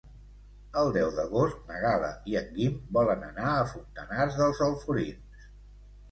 El deu d'agost na Gal·la i en Guim volen anar a Fontanars dels Alforins.